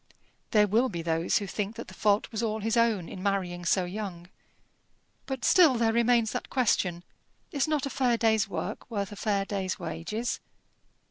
There will be those who think that the fault was all his own in marrying so young. But still there remains that question, Is not a fair day's work worth a fair day's wages?